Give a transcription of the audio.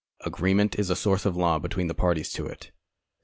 Agreement is a source of law between the parties to it.